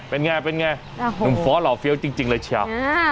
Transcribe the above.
เป็นไงเป็นไงหนุ่มฟ้อหล่อเฟี้ยวจริงเลยเชียว